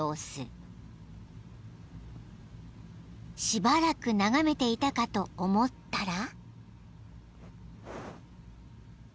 ［しばらく眺めていたかと思ったら］